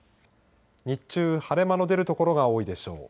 日中、晴れ間の出る所が多いでしょう。